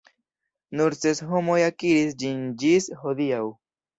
Nur ses homoj akiris ĝin ĝis hodiaŭ.